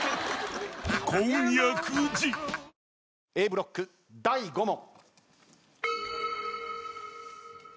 Ａブロック第５問。